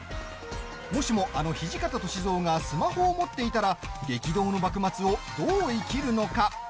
もしも、あの土方歳三がスマホを持っていたら激動の幕末をどう生きるのか。